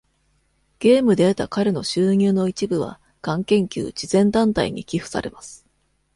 ゲームで得た彼の収入の一部は癌研究慈善団体に寄付されます。